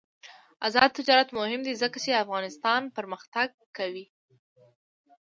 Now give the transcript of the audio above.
آزاد تجارت مهم دی ځکه چې افغانستان پرمختګ کوي.